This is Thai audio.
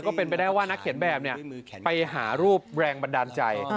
ก็เป็นไปได้ว่านักเขียนแบบเนี่ยไปหารูปแรงบันดาลใจ